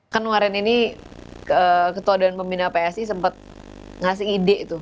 kan kemarin ini ketua dan pembina psi sempat ngasih ide tuh